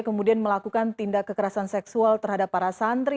kemudian melakukan tindak kekerasan seksual terhadap para santri